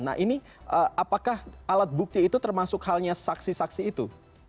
nah ini apakah alat bukti itu termasuk halnya saksi saksi itu